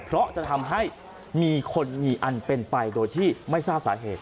เพราะจะทำให้มีคนมีอันเป็นไปโดยที่ไม่ทราบสาเหตุ